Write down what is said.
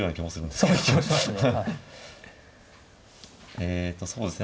えとそうですね